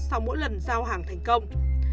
sau mỗi lần giao hàng thành công